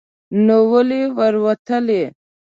نو ولې ور وتلی ؟